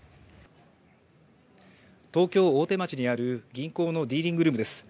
東京・大手町にある銀行のディーリングルームです。